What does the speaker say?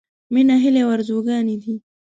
— مينه هيلې او ارزوګانې دي.